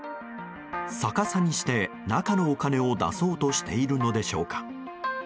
逆さにして、中のお金を出そうとしているのでしょうか。